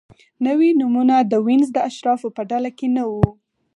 نوي نومونه د وینز د اشرافو په ډله کې نه وو.